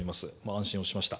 安心をしました。